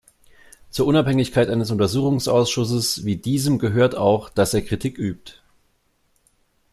Zur Unabhängigkeit eines Untersuchungsausschusses wie diesem gehört auch, dass er Kritik übt.